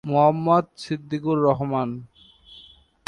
Mohammad Siddiqur Rahman